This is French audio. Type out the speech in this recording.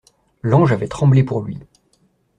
L'ange avait tremblé pour lui.